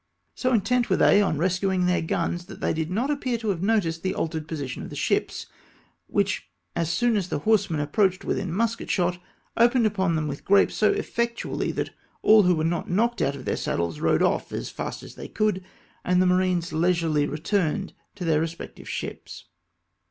So intent were they on rescuing their guns, that they .did not appear to have noticed the al tered position of the ships, which, as soon as the horse men approached within musket shot, opened upon them with grape so effectually, that all who were not knocked out of their saddles rode off as fast as they coidd, and the marines leisurely returned to their re spective ships.